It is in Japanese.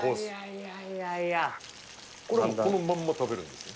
これもうこのまんま食べるんですね？